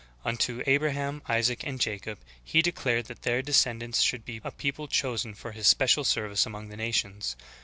Unto Abraham, Isaac, and Jacob He declared that their descend ants should be a people chosen for His special service among the nations.